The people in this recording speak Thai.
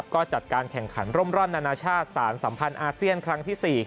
ก็จัดการแข่งขันร่มร่อนนานาชาติสารสัมพันธ์อาเซียนครั้งที่๔